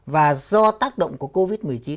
và do tác động của covid một mươi chín